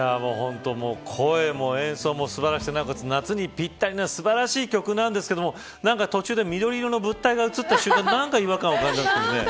声も演奏も素晴らしくて夏にぴったりの素晴らしい曲ですが途中で緑色の物体が映った瞬間に何か違和感を感じました。